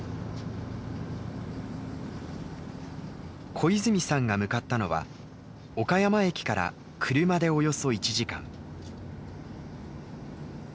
小泉さんが向かったのは岡山駅から車でおよそ１時間。